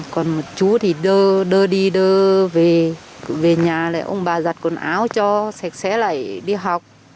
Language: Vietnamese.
còn chú thì đơ đi đơ về nhà ông bà giặt quần áo cho sạch sẽ lại đi học